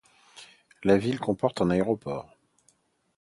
La ville comporte un aéroport.